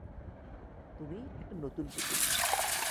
তুমি একটা নতুন পুতুল।